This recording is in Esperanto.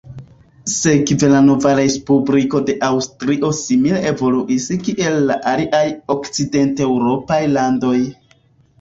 Sekve la nova respubliko de Aŭstrio simile evoluis kiel la aliaj okcidenteŭropaj landoj.